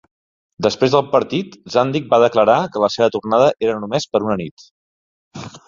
Després del partit, Zandig va declarar que la seva tornada era només per una nit.